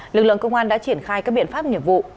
lực lượng công an đã triển khai các biện pháp nghiệp vụ